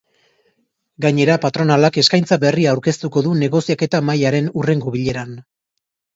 Gainera, patronalak eskaintza berria aurkeztuko du negoziaketa-mahaiaren hurrengo bileran.